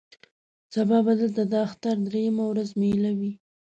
سبا به دلته د اختر درېیمه ورځ مېله وي.